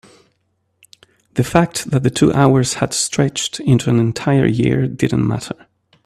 the fact that the two hours had stretched into an entire year didn't matter.